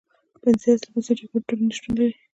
پنځه اصلي بنسټ ایښودونکې ټولنې شتون لري.